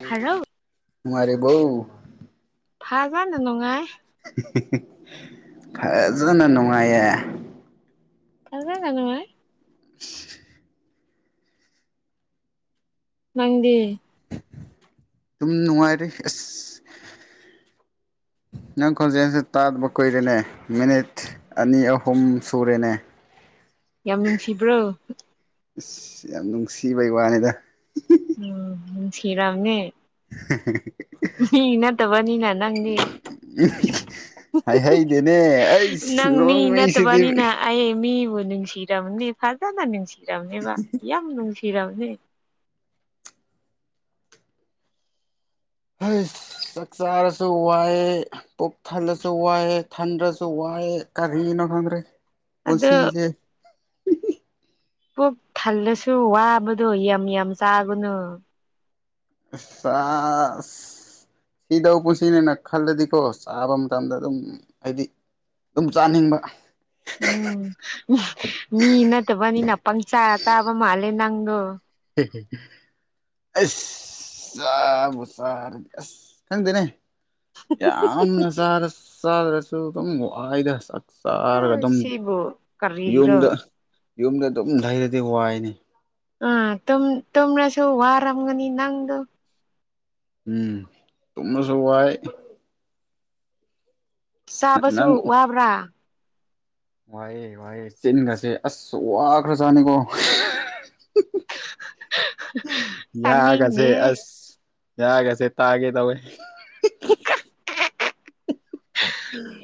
ꯍꯥꯏꯔꯣ [unintelligible] ꯊꯥꯖꯅ ꯅꯨꯡꯉꯥꯏ ꯐꯖꯅ ꯅꯨꯡꯉꯥꯏꯌꯦ ꯐꯖꯅ ꯅꯨꯉꯥꯏ [unintelligible] ꯅꯪꯗꯤ ꯇꯨꯝ ꯅꯨꯡꯉꯥꯏꯔꯦ ꯑꯁ [inaudible] ꯅꯪ ꯈꯣꯟꯖꯦꯜꯁꯤ ꯇꯥꯕ ꯀꯨꯏꯔꯦꯅꯦ ꯃꯤꯅꯤꯠ ꯑꯅꯤ ꯑꯍꯨꯝ ꯁꯨꯔꯦꯅꯦ [inaudible] ꯅꯨꯡꯁꯤꯕ꯭ꯔꯣ ꯑꯁ ꯌꯥꯝ ꯅꯨꯡꯁꯤꯕꯩ ꯋꯥꯅꯤꯗ ꯁꯤꯔꯝꯅꯦ [unintelligible] ꯃꯤ ꯅꯠꯇꯕꯅꯤꯅ ꯅꯪꯗꯤ ꯎ ꯍꯥꯏꯍꯩꯗꯅꯦ ꯑꯩ ꯅꯪ ꯅꯣꯡꯉꯩꯁꯤꯗꯤ ꯅꯨꯡꯁꯤꯔꯝꯅꯦ ꯐꯖꯅ ꯅꯨꯡꯁꯤꯔꯝꯃꯤꯕ ꯌꯥꯝ ꯅꯨꯡꯁꯤꯔꯝꯅꯤ ꯆꯥꯛ ꯆꯥꯔꯁꯨ ꯋꯥꯏꯑꯦ ꯄꯨꯛ ꯊꯜꯂꯁꯨ ꯋꯥꯏꯑꯦ ꯊꯟꯗꯁꯨ ꯋꯥ ꯌꯦ ꯀꯔꯤꯅꯣ ꯈꯗ꯭ꯔꯦ ꯑꯗꯣ ꯄꯨꯟꯁꯤꯁꯦ ꯄꯨꯛ ꯊꯜꯂꯁꯨ ꯋꯥꯕꯗꯣ ꯌꯥꯝ ꯌꯥꯝ ꯆꯥꯒꯨꯅꯨ ꯑꯁ ꯁꯥ ꯑꯁ ꯁꯤꯗꯧ ꯄꯨꯟꯁꯤꯅꯦꯅ ꯈꯜꯂꯗꯤꯀꯣ ꯆꯥꯕ ꯃꯇꯝꯗ ꯑꯗꯨꯝ ꯍꯥꯏꯗꯤ ꯑꯗꯨꯝ ꯆꯥꯅꯤꯡꯕ ꯎꯝ ꯇꯕ ꯃꯥꯂ ꯅꯪꯗꯨ [unintelligible] ꯑꯁ ꯆꯥꯕꯨ ꯆꯔꯗꯤ ꯑꯁ ꯈꯪꯗꯦꯅꯦ ꯌꯥꯝꯅ ꯆꯔ ꯆꯗ꯭ꯔꯁꯨ ꯑꯗꯨꯝ ꯋꯥꯏꯗ ꯑ ꯆꯥꯔꯒ ꯑꯗꯨꯝ ꯁꯤꯕꯨ ꯀꯔꯤꯒꯤꯔꯣ ꯌꯨꯝꯗ ꯌꯨꯝꯗ ꯑꯗꯨꯝ ꯩꯔꯗꯤ ꯋꯥꯏꯅꯤ ꯑꯥ ꯇꯨꯝꯅꯁꯨ ꯋꯥꯔꯝꯒꯅꯤ ꯅꯪꯗꯣ ꯎꯝ ꯇꯨꯝꯃꯁꯨ ꯋꯥꯏ ꯆꯥꯕꯁꯨ ꯋꯥꯕ꯭ꯔꯥ ꯋꯥꯍꯦ ꯋꯥꯑꯦ ꯆꯤꯟꯒꯁꯦ ꯑꯁ ꯋꯥꯈ꯭ꯔꯖꯥꯅꯤꯀꯣ ꯌꯥ ꯀꯁꯦ ꯇꯥꯅꯤꯡꯅꯦ ꯑꯁ ꯌꯥꯒ ꯁꯦꯠꯇꯑꯒꯦ ꯇꯕꯦ [inaudible]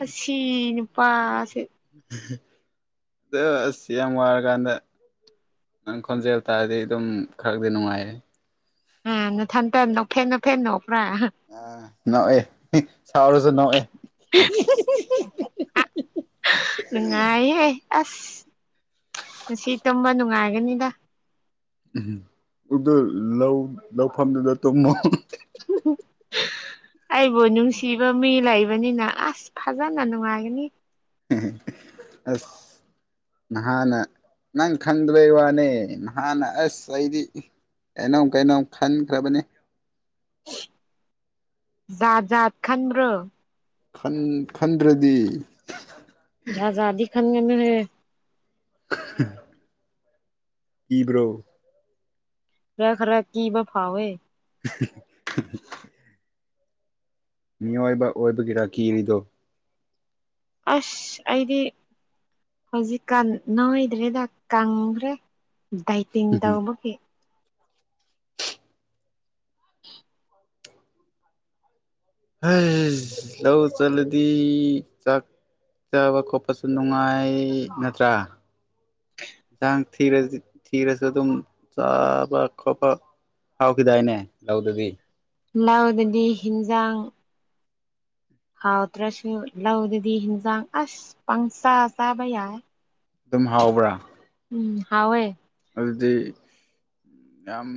ꯑꯁꯤ ꯅꯨꯄꯥꯁꯦ ꯑꯗꯣ ꯑꯁ ꯌꯥꯝ ꯋꯥꯔꯀꯥꯟꯗ ꯅꯪ ꯈꯣꯟꯖꯦꯜ ꯍꯥꯏꯇꯥꯥꯔꯗꯤ ꯑꯗꯨꯝ ꯈꯔꯗꯤ ꯅꯨꯡꯉꯥꯏꯔꯦ ꯑ ꯅꯊꯟꯇ ꯐꯦꯟꯅꯣ ꯐꯦꯟꯅꯣ ꯄꯨ꯭ꯔꯥ ꯑꯥ ꯅꯣꯛꯑꯦ ꯁꯥꯎꯔꯁꯨ ꯅꯣꯛꯑꯦ ꯅꯨꯡꯉꯥꯏꯍꯦ ꯑꯁ ꯉꯁꯤ ꯇꯨꯝꯝꯕ ꯅꯨꯡꯉꯥꯏꯒꯅꯤꯗ ꯎ ꯎ ꯂꯧ ꯂꯧꯐꯝꯗꯨꯗ ꯇꯨꯝꯃꯣ ꯑꯩꯕꯨ ꯅꯨꯡꯁꯤꯕ ꯃꯤ ꯂꯩꯕꯅꯤꯅ ꯑꯁ ꯐꯖꯅ ꯅꯨꯡꯉꯥꯏꯒꯅꯤ ꯑꯁ ꯅꯍꯥꯟ ꯅꯪ ꯈꯟ ꯂꯩꯩ ꯋꯥꯅꯦ ꯅꯍꯥꯟ ꯑꯁꯗꯤ ꯑꯩꯅꯧ ꯀꯩꯅꯣ ꯈꯟꯈ꯭ꯔꯕꯅꯤ ꯖꯥꯖꯥꯠ ꯈꯟ꯭ꯔ ꯟ ꯈꯟꯗ꯭ꯔꯗꯤ ꯖꯍꯥꯖꯥꯗꯤ ꯈꯥꯟꯒꯅ ꯍ [inaudible] ꯏꯕ꯭ꯔꯣ ꯔ ꯈꯔꯦ ꯀ ꯐꯥꯋꯦ [inaudible] ꯃꯤꯑꯣꯏꯕ ꯑꯣꯏꯕꯒꯤꯔꯥ ꯀꯤꯔꯤꯗꯣ ꯑꯁ ꯑꯩꯗꯤ ꯍꯧꯖꯤꯛꯀꯥꯟ ꯅꯣꯏꯗ꯭ꯔꯦꯗ ꯀꯪꯈ꯭ꯔꯦ ꯗꯥꯏꯇꯤꯡ ꯇꯧꯕꯒꯤ [inaudible] ꯍ ꯂꯧꯧ ꯆꯂꯗꯤ ꯆ ꯆꯥꯕ ꯈꯣꯠꯄꯁꯨ ꯅꯨꯡꯉꯥꯏ ꯅꯠꯇ꯭ꯔꯥ ꯌꯦꯟꯁꯥꯡ ꯊꯤꯔ ꯊꯤꯔꯁꯨ ꯑꯗꯨꯝ ꯆꯥꯕ ꯈꯣꯠꯄ ꯍꯥꯎꯈꯤꯗꯥꯏꯅꯦ ꯂꯧꯗꯗꯤ ꯍꯅꯥꯎꯗꯗꯤ ꯍꯤꯟꯖꯥꯡ ꯍꯥꯎꯇ꯭ꯔꯁꯨ ꯂꯧꯗꯗꯤ ꯍꯤꯟꯖꯥꯡ ꯑꯁ ꯄꯪꯆꯥꯥ ꯆꯥꯕ ꯌꯥꯏ ꯑꯗꯨꯝ ꯍꯥꯎꯕ꯭ꯔꯥ ꯎꯝ ꯍꯑꯣꯦ ꯑꯗꯨꯗꯤ ꯌꯥꯝ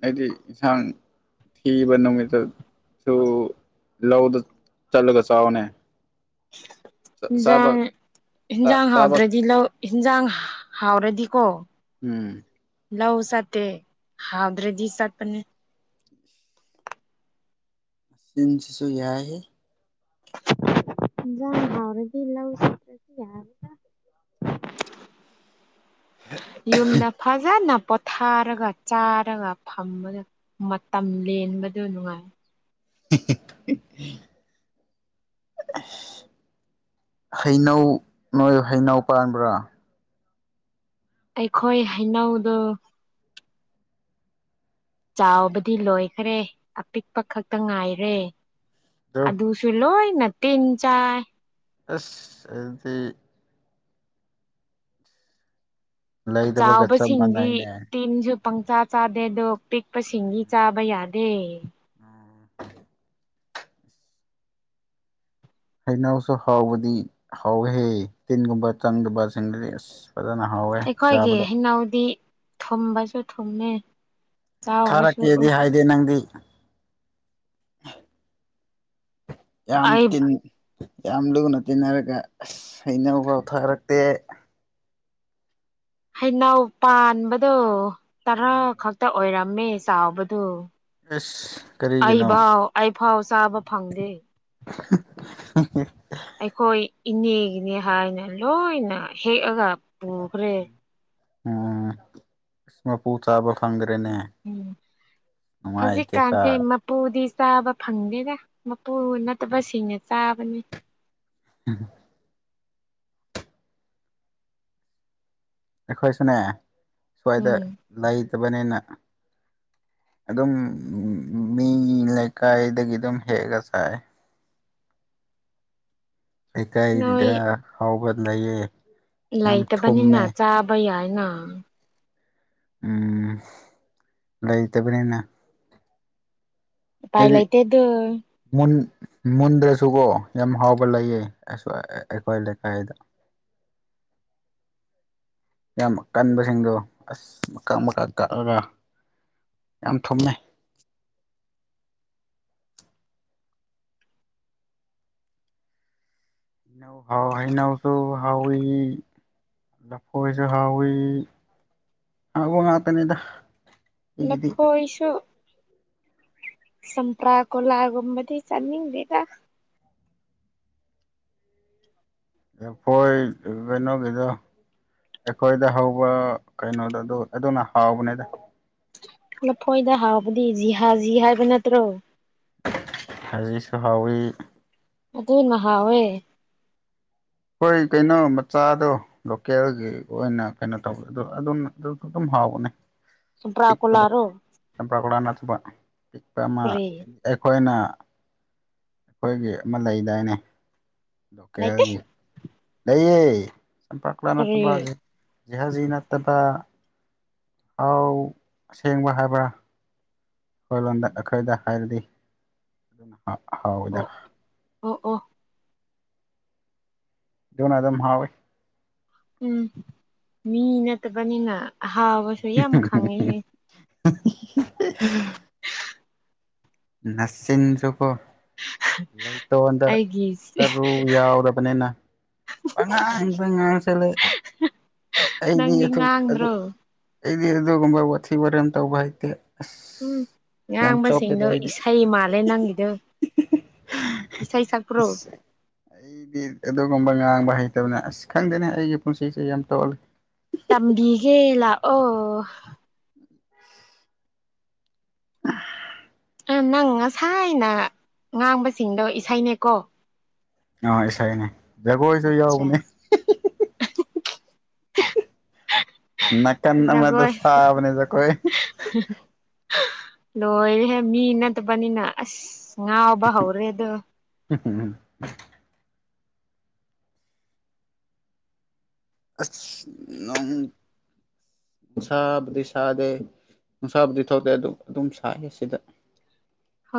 ꯍꯥꯏꯗꯤ ꯌꯦꯟꯁꯥꯡ ꯊꯕ ꯅꯨꯣꯃꯤꯠꯇ ꯊ ꯂꯎꯗ ꯆꯂꯒ ꯆꯅꯦ ꯏꯟꯖꯥꯡ ꯍꯟꯖꯥꯡ ꯆꯥꯕ ꯍꯥꯎꯗ꯭ꯔꯗꯤ ꯂꯧ ꯏꯟꯁꯥꯡ ꯍꯥꯎꯔꯗꯤꯀꯣ ꯎꯝ ꯂꯎ ꯁꯠꯇꯦ ꯍꯥꯎꯗ꯭ꯔꯦ ꯗꯤ ꯁꯥꯠꯄꯅꯦ ꯃꯟꯁꯤꯁꯨ ꯌꯥ ꯍꯥꯏ ꯥ ꯍꯥꯥꯎꯔꯗꯤ ꯂꯥꯎ ꯁꯇ꯭ꯔ ꯀ ꯌꯥ ꯌꯨꯝꯗ ꯐꯖꯅ ꯄꯣꯊꯥꯔꯒ ꯆꯥꯔꯒ ꯐꯝꯕꯗ ꯃꯇꯝ ꯂꯦꯟꯕꯗꯨ ꯅꯨꯡꯉꯥꯏ [inaudible] ꯍꯩꯅꯧ ꯅꯣꯏ ꯍꯩꯅꯧ ꯄꯥꯟꯕ꯭ꯔꯥ ꯑꯩꯈꯣꯏ ꯍꯩꯅꯧꯗ ꯆꯥꯎꯕꯗꯤ ꯂꯣꯏꯈꯔꯦ ꯑꯄꯤꯛꯄ ꯈꯛꯇ ꯉꯥꯏꯔꯦ ꯑ ꯑꯗꯨ ꯑꯗꯨꯁꯨ ꯂꯣꯏ ꯅ ꯇꯟ ꯆꯥꯏ ꯑꯁ ꯑꯗꯨꯗꯤ ꯂꯩꯗꯕꯒ ꯆꯞ ꯆꯥꯎꯕꯁꯤꯡꯗꯤ ꯃꯥꯟꯅꯩꯅꯦ ꯇꯤꯟꯁꯨ ꯄꯪꯆꯥ ꯆꯥꯗꯦꯗꯣ ꯄꯤꯛꯄ ꯁꯤꯡ ꯆꯥꯕ ꯌꯥꯗꯦ ꯍꯩꯅꯎꯁꯨ ꯍꯥꯎꯕꯗꯤ ꯍꯥꯎꯍꯦ ꯇꯤꯟꯒꯨꯝꯕ ꯆꯪꯗꯕꯁꯤꯡꯗꯗꯤ ꯑꯁ ꯐꯖꯅ ꯍꯥꯎꯋꯦ ꯑꯩꯈꯣꯏꯒꯤ ꯆꯥꯕꯗ ꯍꯩꯅꯧꯗꯤ ꯊꯨꯝꯕꯁꯨ ꯊꯨꯝꯃꯤ ꯆꯥꯎꯕꯁꯨ ꯊꯥꯔꯛꯀꯦꯗꯤ ꯍꯥꯏꯗꯦ ꯅꯪꯗꯤ ꯌꯥꯝ ꯑꯩ ꯇꯤꯟ ꯌꯥꯝ ꯂꯨꯅ ꯇꯤꯟꯅꯔꯒ ꯑꯁ ꯑꯩꯅ ꯄꯥꯎꯊꯥꯔꯛꯇꯦ ꯍꯩꯅꯧ ꯄꯥꯟꯕꯗꯣ ꯇꯔꯥ ꯈꯛꯇ ꯑꯣꯏꯔꯝꯃꯦ ꯆꯥꯎꯕꯗꯨꯣ ꯑꯦꯁ ꯀꯔꯤꯒꯤꯅꯣ ꯐꯥꯎ ꯆꯥꯕ ꯐꯪꯗꯦ [unintelligible] [inaudible] ꯑꯩꯈꯣꯏ ꯏꯅꯦꯒꯤꯅꯦ ꯍꯥꯏꯅ ꯂꯣꯏꯅ ꯍꯦꯛꯑꯒ ꯑꯣꯈꯔꯦ ꯎꯝ ꯏꯁ ꯄ ꯆꯕ ꯈꯪꯗꯦ ꯎꯝ ꯅꯨꯡꯉꯥꯏꯇꯦꯗ ꯍꯧꯖꯤꯛꯀꯥꯟꯁꯦ ꯃꯄꯨꯗꯤ ꯆꯥꯕ ꯐꯪꯗꯦꯗ ꯃꯄꯨꯔ ꯅꯠꯇꯕꯁꯤꯡꯅ ꯆꯥꯕꯅꯤ ꯎꯝ ꯑꯩꯈꯣꯏꯁꯨꯅꯦ ꯁ꯭ꯋꯥꯏꯗ ꯎꯝ ꯂꯩꯇꯕꯅꯤꯅ [unintelligible] [inaudible] ꯑꯗꯨꯝ ꯃꯤ ꯂꯩꯀꯥꯏꯗꯒꯤ ꯑꯗꯨꯝ ꯍꯦꯛꯑꯒ ꯁꯥꯏ ꯅꯣꯏ ꯂꯩꯀꯥꯏꯗꯨꯗ ꯍꯥꯎꯕ ꯂꯩꯌꯦ ꯌꯥꯝ ꯂꯩꯇꯕꯅꯤꯅ ꯊꯨꯝꯃꯦ ꯆꯥꯕ ꯌꯥꯏꯅ ꯎꯝ ꯏꯇꯄꯅꯤꯅ ꯄꯥꯏ ꯂ ꯏꯇꯦ ꯑꯗꯨ ꯃꯨꯟ ꯃꯨꯟꯗ꯭ꯔꯁꯨꯀꯣ ꯌꯥꯝ ꯍꯥꯎꯕ ꯂꯩꯌꯦ ꯑꯩꯈꯣꯏ ꯂꯩꯀꯥꯏꯗ [unintelligible] [inaudible] ꯌꯥꯝ ꯀꯟꯕꯁꯤꯡꯗꯣ ꯑꯁ ꯃꯀꯛ ꯃꯀꯛ ꯀꯛꯑꯒ ꯌꯥꯝ ꯊꯨꯝꯃꯦ [unintelligible] [inaudible] ꯏꯩꯅꯎ ꯍꯥꯎ ꯍꯩꯅꯎꯁꯨ ꯍꯥꯎꯋꯤ ꯂꯐꯣꯏꯁꯨ ꯍꯥꯎꯋꯤ ꯍꯥꯏꯕ ꯉꯥꯛꯇꯅꯤꯗ ꯂ ꯑꯩꯒꯤꯗꯤ ꯍꯣꯏꯣꯏꯁꯨ ꯁꯄ꯭ꯔ ꯀꯣꯂꯒꯣꯕꯗꯤ ꯆꯥꯟꯅꯤꯡꯗꯦ ꯀ ꯄꯣꯏ ꯅꯣꯒꯦꯗꯣ ꯑꯩꯈꯣꯏꯗ ꯍꯧꯕ ꯀꯩꯅꯣꯗꯣ ꯑꯗꯨ ꯑꯗꯨꯅ ꯍꯥꯎꯕꯅꯦꯗ ꯂꯐꯣꯏꯗ ꯍꯥꯎꯕꯗꯤ ꯖꯤꯍꯥ ꯖꯤ ꯍꯥꯏꯕ ꯅꯠꯇ꯭ꯔꯣ ꯍꯥꯏꯖꯤꯛꯁꯨ ꯍꯥꯎꯋꯤ ꯑꯗꯨ ꯃꯍ ꯍꯥꯎꯋꯦ ꯍꯣꯏ ꯀꯩꯅꯣ ꯃꯆꯥꯗꯣ ꯂꯣꯀꯦꯜꯒꯤ ꯑꯣꯏꯅ ꯀꯩꯅꯣ ꯇꯧꯕ ꯑꯗ ꯑꯗꯨ ꯑꯗꯨ ꯑꯗꯨꯝ ꯍꯥꯎꯕꯅꯦ ꯆꯝꯄ꯭ꯔꯥ ꯄꯤꯛꯄꯗ ꯀꯣꯂꯥꯔꯣ ꯆꯝꯄ꯭ꯔꯥꯀꯂꯥ ꯅꯠꯇꯕ ꯄꯤꯛꯄ ꯑꯃ ꯀꯔꯤ ꯑꯩꯈꯣꯏꯅ ꯑꯩꯈꯣꯏꯒꯤ ꯑꯃ ꯂꯩꯗꯥꯏꯅꯦ ꯂꯩꯇꯦ ꯂꯣꯀꯦꯜꯒꯤ ꯂꯩꯌꯦ ꯆꯝꯄ꯭ꯔꯀꯂꯥ ꯅꯠꯇꯕ ꯀꯔꯤ ꯍꯧ ꯖꯤꯍꯥꯖꯤ ꯅꯠꯇꯕ ꯑꯥꯎ ꯁꯦꯡꯕ ꯍꯥꯏꯕ꯭ꯔꯥ ꯑꯩꯈꯣꯏ ꯂꯣꯗ ꯑꯩꯈꯣꯏꯗ ꯍꯥꯏꯔꯗꯤ ꯑꯗꯨꯅ ꯍꯥꯎꯋꯤꯗ ꯑꯣ ꯑꯣ ꯑꯣ ꯅ ꯑꯗꯨ ꯑꯗꯨꯝ ꯍꯥꯎꯦ ꯎꯝ ꯃꯤ ꯅꯠꯇꯕꯅꯤꯅ ꯍꯥꯎꯕꯁꯨ ꯌꯥꯝ ꯈꯪꯉꯤꯍꯦ [unintelligible] ꯅꯁꯤꯟꯁꯨꯀꯣ ꯂꯩꯇꯣꯗ ꯑꯩꯒꯤ ꯁꯔꯨ ꯌꯥꯎꯗꯕꯅꯦꯅ ꯄꯉꯥꯡ ꯑꯛꯇ ꯉꯥꯡꯁꯤꯂꯦ ꯑꯩꯗꯤ ꯅꯪꯗꯤ ꯑꯗꯨ ꯑꯗꯨ ꯉꯥꯡꯗ꯭ꯔꯣ ꯑꯩꯗꯤ ꯑꯗꯨꯒꯨꯝꯕ ꯋꯥꯊꯤ ꯋꯔꯦꯟ ꯇꯧꯕ ꯍꯥꯏꯇꯦ ꯎꯝ ꯉꯥꯡꯕꯁꯦꯡꯗꯣ ꯑꯩꯗꯤ ꯏꯁꯩ ꯃꯥꯂꯦ ꯅꯪꯒꯤꯗꯨ ꯑꯩꯗꯤ ꯑꯗꯨꯒꯨꯝꯕ ꯉꯥꯡꯕ ꯍꯩꯇꯕꯅ ꯑꯁ ꯈꯪꯗꯦꯅꯦ ꯑꯩꯒꯤ ꯄꯨꯟꯁꯤꯁꯦ ꯌꯥꯝ ꯇꯣꯜꯂꯤ ꯇꯝꯕꯤꯒꯦ ꯂꯥꯛꯑꯣ ꯅꯪ-ꯅꯪ ꯉꯁꯥꯏꯅ ꯉꯥꯡꯕꯁꯤꯡꯗꯣ ꯏꯁꯩꯅꯦꯀꯣ ꯑꯥꯎ ꯏꯁꯩꯅꯤ ꯖꯒꯣꯏꯁꯨ ꯑꯠꯆꯥ ꯌꯥꯎꯕꯅꯦ ꯅꯥꯀꯟ ꯑꯃꯗ ꯅꯣꯏ ꯁꯥꯕꯅꯦ ꯖꯒꯣꯏ [unintelligible] ꯂꯣꯏꯔꯦꯍꯦ ꯃꯤ ꯅꯠꯇꯕꯅꯤꯅ ꯑꯁ ꯉꯥꯎꯕ ꯍꯧꯔꯦꯗꯣ [unintelligible] ꯑꯁ ꯅꫭꯡ ꯁꯥꯥꯕꯗ ꯁꯥꯥꯗ ꯅꯨꯡꯁꯥꯕꯨꯗꯤ ꯊꯧꯗꯦ ꯑꯗꯨ ꯑꯗꯨꯝ ꯁꯥꯏꯌꯦ ꯁꯤꯗ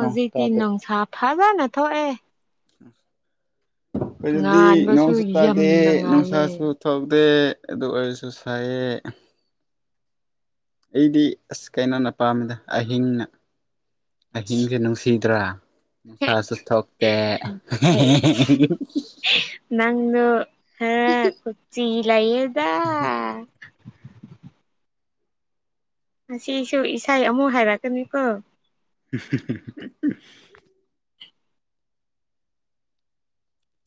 ꯅꯣꯡꯁꯨ ꯇꯥꯗꯦ ꯅꯨꯡꯁꯥ ꯐꯖꯅ ꯊꯣꯛꯑꯦ ꯑꯩꯈꯣꯏ ꯑꯗꯨꯗꯤ ꯉꯥꯟꯕꯁꯨ ꯅꯣꯡ ꯁꯇꯥꯗꯤ ꯌꯥꯝꯅ ꯉꯥꯜꯂꯦ ꯅꯣꯡꯁꯁꯨ ꯊ ꯇ‌ꯦ ꯑꯗꯨ ꯑꯣꯏꯁꯨ ꯁꯥꯏꯌꯦ ꯑꯩꯗꯤ ꯑꯁ ꯀꯩꯅꯣꯅ ꯄꯥꯝꯃꯤꯗ ꯑꯍꯤꯡꯅ ꯑꯍꯤꯡꯁꯦ ꯅꯨꯡꯁꯤꯗ꯭ꯔꯥ ꯊꯥꯁꯨ ꯍꯛꯇꯦ ꯑꯦ ꯍꯥꫪ ꯀꯆꯤ ꯂꯌꯦꯗ ꯉꯁꯤꯏꯁꯨ ꯏꯁꯩ ꯑꯃꯨꯛ ꯍꯥꯏꯔꯛꯀꯅꯤꯀꯣ [unintelligible]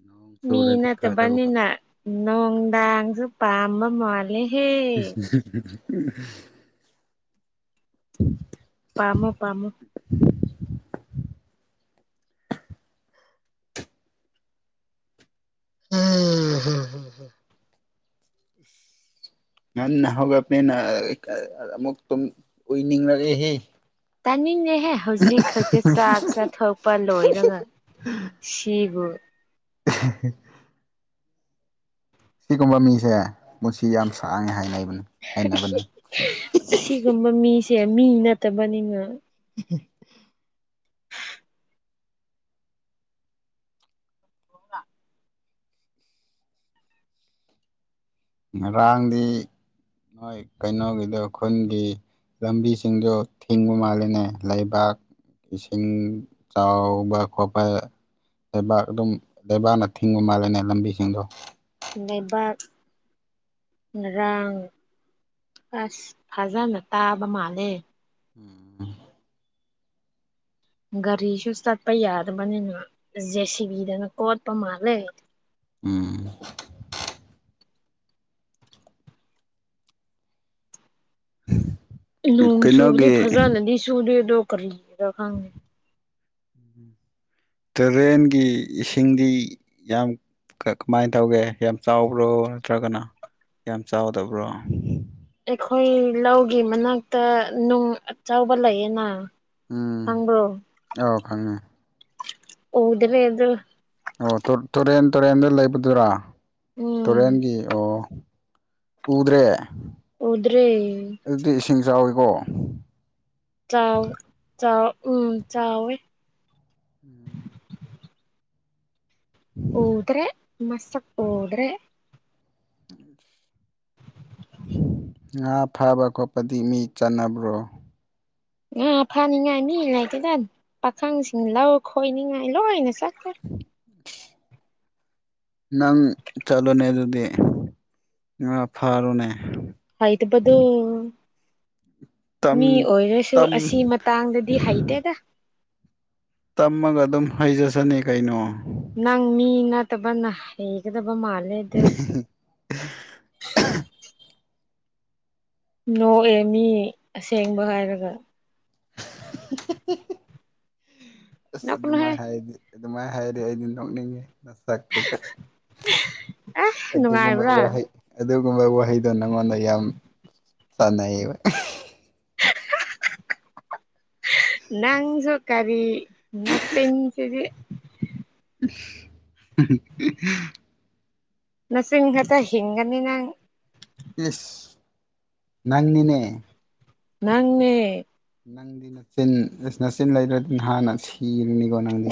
ꯅꯣꯡ ꯃꯤ ꯆꯨꯔꯗꯤ ꯐꯗꯧꯕ ꯅꯠꯇꯕꯅꯤꯅ ꯅꯨꯡꯗꯥꯡꯁꯨ ꯄꯥꯝꯕ ꯃꯥꯜꯂꯦ [unintelligible] ꯄꯥꯃꯣ ꯄꯥꯃꯣ ꯎꯝꯝꯍ ꯉꯟꯅ ꯍꯒꯠꯄꯥꯅꯤꯅ ꯑ ꯀꯥ ꯑꯃꯨꯛ ꯇꯨꯝ ꯎꯨꯏꯅꯤꯡꫪꯛꯑꯍ‌ꯦ ꯇꯥꯅꯤꯡꯗ‌ꯦꯍꯦ ꯍꯧꯖꯤꯛ ꯈꯛꯇ ꯆꯥꯛ ꯆꯥꯊꯣꯛꯄ ꯂꯣꯏꯔꯒ ꯁꯤꯕꯨꯨ [unintelligible] ꯁꯤꯒꯨꯝꯕ ꯃꯤꯁꯦ ꯄꯨꯟꯁꯤ ꯌꯥꯝ ꯁꯥꯡꯉꯦ ꯍꯥꯏꯅꯩ ꯍ-ꯍꯤꯏ ꯑꯁꯤꯒꯨꯝꯕ ꯃꯤꯁꯦ ꯃꯤ ꯅꯠꯇꯕꯅꯤꯅ [unintelligible] ꯉꯔꯥꯡꯗꯤ ꯅꯣꯏ ꯀꯩꯅꯣꯒꯤꯗꫭ ꯈꯨꯟꯒꯤ ꯂꯝꯕꯤꯁꯤꯡꯗꯣ ꯊꯤꯡꯕ ꯃꯥꯜꯂꯤꯅꯦ ꯂꯩꯕꯥꯛ ꯏꯁꯤꯡ ꯆꯥꯎꯕ ꯈꫭꯠꯄ ꯂꯩꯕꯥꯛ ꯑꯗꯨꯝ ꯂꯩꯕꯥꯛꯅ ꯊꯤꯡꯕ ꯃꯥꯜꯂꯦꯅꯦ ꯂꯝꯕꯤꯁꯤꯡꯗꯣ ꯂꯩꯕꯥꯛ ꯉꯔꯥꯡ ꯑꯁ ꯐꯖꯅ ꯇꯥꯕ ꯃꯥꯜꯂꯦ ꯎꯝ ꯒꯥꯔꯤꯁꯨ ꯆꯠꯄ ꯌꯥꯗꯕꯅꯤꯅ ꯖꯦ-ꯁꯤ-ꯕꯤꯗꯅ ꯀꯣꯠꯄ ꯃꯥꯜꯂꯦ ꯎꯝ ꯅꯣꯡ ꯆꯨꯕꯗꯤ ꯀꯩꯅꯣꯒꯤ ꯐꯖꯅꯗꯤ ꯁꯨꯗꯦ ꯑꯗꯣ ꯀꯔꯤꯒꯤꯔ ꯈꯪꯗ‌ꯦ ꯇꯨꯔꯦꯟꯒꯤ ꯏꯁꯤꯡꯗꯤ ꯌꯥꯝ ꯀꯃꯥꯏꯅ ꯇꯧꯒꯦ ꯌꯥꯝ ꯆꯥꯎꯕ꯭ꯔꯣ ꯅꯠꯇ꯭ꯔꯒꯅ ꯌꯥꯝ ꯆꯥꯎꯗꯕ꯭ꯔꯣ ꯑꯩꯈꯣꯏ ꯂꯧꯒꯤ ꯃꯅꯥꯛꯇ ꯅꯨꯡ ꯑꯆꯕ ꯂꯩꯌꯦꯅ ꯎꯝ ꯑꯥꯎ ꯈꯪꯉꯦ ꯑꯗꯨꯔꯦ ꯑꯗꯨ ꯑꯣ ꯇꯨꯔꯦꯟ ꯇꯨꯔꯦꯟꯗ ꯂꯩꯕꯗꯨꯔꯥ ꯎꯝ ꯇꯨꯔꯦꯟꯒꯤ ꯑꯣ ꯎꯗ꯭ꯔꯦ ꯎꯗ꯭ꯔꯦ ꯑꯗꯨꯗꯤ ꯏꯁꯤꯡ ꯆꯥꯎꯋꯤꯀꯣ ꯆꯥꯎ ꯆꯥꯎ ꯎꯝ ꯆꯥꯎꯋꯤ ꯎꯝ ꯎꯗ꯭ꯔꯦ ꯃꯁꯛ ꯎꯗ꯭ꯔꯦ [inaudible] ꯉꯥ ꯐꯥꯕ ꯈꯣꯠꯄꯗꯤ ꯃꯤ ꯆꯥꯠꯅꯕ꯭ꯔꯣ ꯉꯥ ꯐꯥꯅꯤꯡꯉꯥꯏ ꯃꯤ ꯂꯩꯇꯦꯗ ꯄꯥꯈꯪꯁꯤꯡ ꯂꯧ ꯈꯣꯏꯅꯤꯡꯉꯥꯏ ꯂꯣꯏꯅ ꯆꯠ [unintelligible] ꯅꯪ ꯆꯠꯂꯣꯅꯦ ꯑꯗꯨꯗꯤ ꯉꯥ ꯐꯥꯔꯣꯅꯦ ꯍꯩꯇꯕꯗꯣ ꯇꯝ ꯃꯤ ꯑꯣꯏꯔꯁꯨ ꯇꯝ ꯑꯁꯤ ꯃꯇꯥꯡꯗꯗꯤ ꯍꯩꯇꯦꯗ ꯇꯝꯃꯒ ꯑꯗꯨꯝ ꯍꯩꯖꯁꯅꯤ ꯀꯩꯅꯣ ꯅꯪ ꯃꯤ ꯅꯇꯕꯅ ꯍꯩꯒꯗ [unintelligible] ꯅꯣꯛꯑꯦ ꯃꯤ ꯑꯁꯦꯡꯕ ꯍꯥꯏꯔꯒ ꯑꯁ ꯅꯣꯛꯀꯅꯨꯍꯦ ꯑꯗꯨꯃꯥꯏ ꯍꯥꯏꯗꯤ ꯑꯗꯨꯃꯥꯏꯅ ꯍꯥꯏꯔꯗꯤ ꯑꯩꯗꯤ ꯅꯣꯛꯅꯤꯡꯉꯤ ꯑꯁ ꯑꯗꯨꯒꯨꯝꯕ ꯅꯨꯡꯉꯥꯏꯕ꯭ꯔꯥ ꯋꯥꯍꯩ ꯑꯗꯨꯒꯨꯝꯕ ꯋꯥꯍꯩꯗꯣ ꯅꯪꯑꯣꯟꯗ ꯌꯥꯝ ꯆꯥꯟꯅꯩꯌꯦꯕ ꯅꯪꯁꯨ ꯀꯥꯔꯤ ꯅꯆꯤꯟ ꯁꯤꯗꯤ [unintelligible] ꯅꯆꯤꯟ ꯈꯛꯇ ꯍꯤꯡꯒꯅꯤ ꯅꯪ ꯏꯁ ꯅꯪꯅꯤꯅꯦ ꯅꯪꯅꯦ ꯅꯪꯗꯤ ꯅꯆꯤꯟ ꯑꯁ ꯅꯆꯤꯟ ꯂꯩꯗ꯭ꯔꯗꯤ ꯅꯍꯥꯟꯅ ꯁꯤꯔꯅꯤꯀꯣ ꯅꯪꯗꯤ